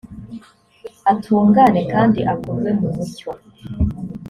atungane kandi akorwe mu mucyo